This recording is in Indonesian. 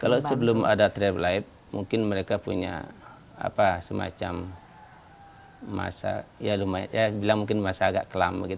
kalau sebelum ada trail of life mungkin mereka punya semacam masa agak kelam